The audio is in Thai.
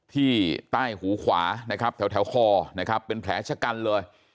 ที่ใต้หูขวานะครับแถวคอนะครับเป็นแผลชะกันเลย